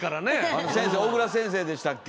あの先生小倉先生でしたっけ。